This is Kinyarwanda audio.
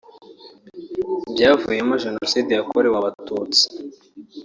byavuyemo Jenoside yakorewe Abatutsi